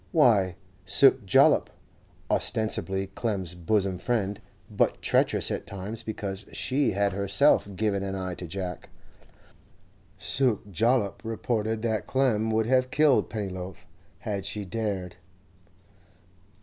Why, Suke Jollop (ostensibly Clem's bosom friend, but treacherous at times because she had herself given an eye to Jack)—Suke Jollop reported that Clem would have killed Pennyloaf had she dared.